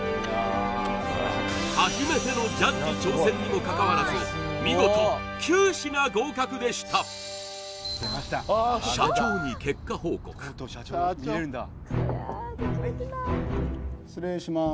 初めてのジャッジ挑戦にもかかわらず見事９品合格でした失礼します